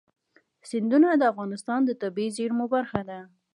سیندونه د افغانستان د طبیعي زیرمو برخه ده.